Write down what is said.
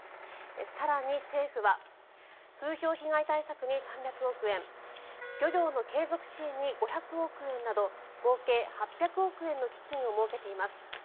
更に、政府は風評被害対策に３００億円漁業の継続支援に５００億円など合計８００億円の基金を設けています。